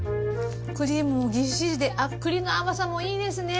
クリームぎっしりで栗の甘さもいいですね。